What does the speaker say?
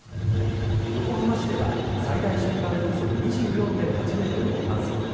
横浜市では最大瞬間風速２４．８メートルを観測。